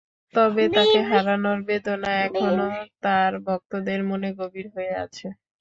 তবে তাঁকে হারানোর বেদনা এখনো তাঁর ভক্তদের মনে গভীর হয়ে আছে।